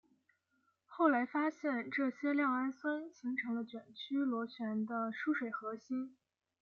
后来发现这些亮氨酸形成了卷曲螺旋的疏水核心。